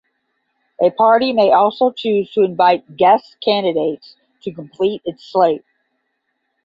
A party may also choose to invite "guest candidates" to complete its slate.